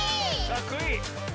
かっこいい。